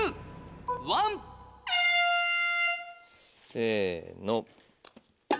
せの。